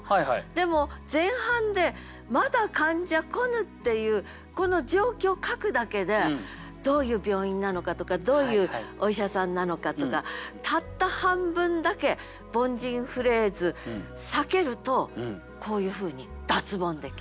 でも前半で「まだ患者来ぬ」っていうこの状況を書くだけでどういう病院なのかとかどういうお医者さんなのかとかたった半分だけ凡人フレーズ避けるとこういうふうに脱ボンできる。